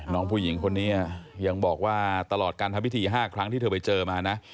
น้องผู้หญิงคนนี้ยังบอกว่าตลอดการทำพิธี๕ครั้งที่เธอไปเจอมานะ